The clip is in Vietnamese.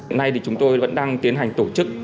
hiện nay thì chúng tôi vẫn đang tiến hành tổ chức